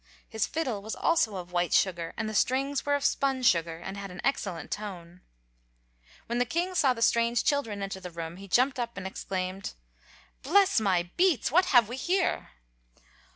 His fiddle was also of white sugar, and the strings were of spun sugar and had an excellent tone. When the king saw the strange children enter the room he jumped up and exclaimed: "Bless my beets! What have we here?"